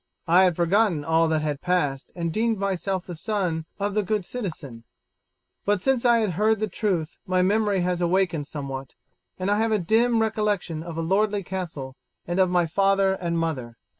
I had forgotten all that had passed, and deemed myself the son of the good citizen, but since I have heard the truth my memory has awakened somewhat, and I have a dim recollection of a lordly castle and of my father and mother."